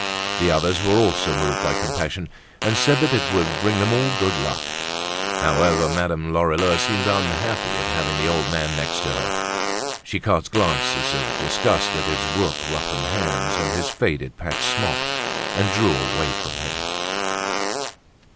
The others were also moved by compassion and said that it would bring them all good luck. However, Madame Lorilleux seemed unhappy at having the old man next to her. She cast glances of disgust at his work roughened hands and his faded, patched smock, and drew away from him.